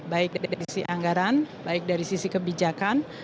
baik dari sisi anggaran baik dari sisi kebijakan